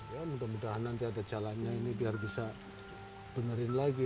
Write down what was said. ya mudah mudahan nanti ada jalannya ini biar bisa benerin lagi